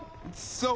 そう。